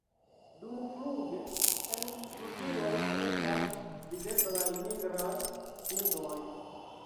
Dumfluge en flugiloj estas videblaj nigraj pintoj.